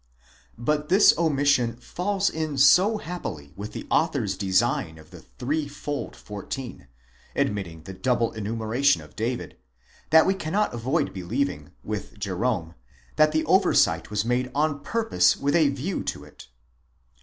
But this omission falls in so happily with the author's design of the threefold fourteen (admitting the double enumeration of David), that we cannot avoid believing, with Jerome, that the oversight was made on purpose with a view to it.